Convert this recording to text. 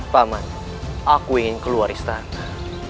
paman aku ingin keluar istana